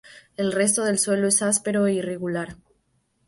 El resto del suelo es áspero e irregular.